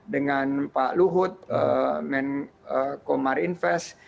dengan pak luhut komar invest